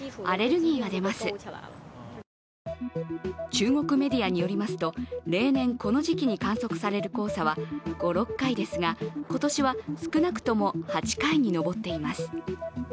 中国メディアによりますと例年、この時期に観測される黄砂は５６回ですが今年は少なくとも８回に上っています。